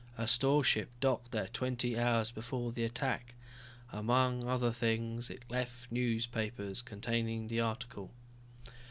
"A store ship docked there twenty hours before the attack. Among other things, it left newspapers containing the article."